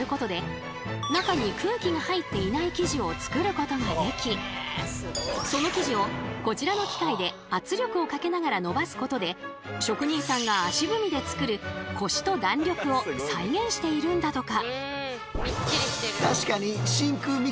このミキサーその生地をこちらの機械で圧力をかけながらのばすことで職人さんが足踏みで作るコシと弾力を再現しているんだとか。